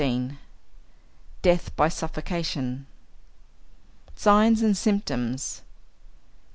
DEATH BY SUFFOCATION _Signs and Symptoms.